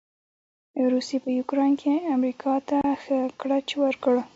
روسې په يوکراين کې امریکا ته ښه ګړچ ورکړ.